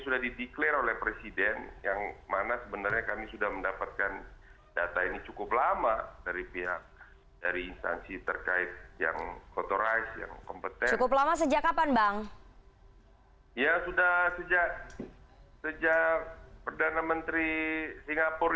dalam hal mengkritisi apa